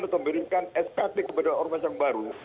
atau memberikan ekskasi kepada orang orang yang baru